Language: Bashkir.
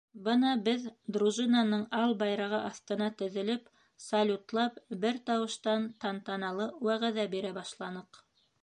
Бына беҙ, дружинаның ал байрағы аҫтына теҙелеп, салютлап бер тауыштан тантаналы вәғәҙә бирә башланыҡ.